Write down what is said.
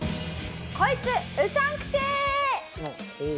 「こいつうさんくせえ！！」。